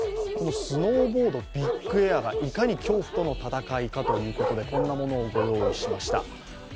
このスノーボードビッグエアがいかに恐怖との戦いかということで、こんなものをご用意しました。